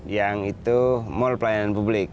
yang itu mall pelayanan publik